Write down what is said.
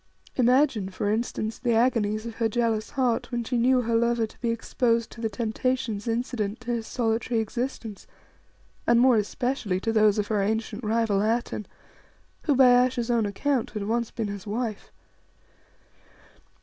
Imagine, for instance, the agonies of her jealous heart when she knew her lover to be exposed to the temptations incident to his solitary existence, and more especially to those of her ancient rival Atene, who, by Ayesha's own account, had once been his wife.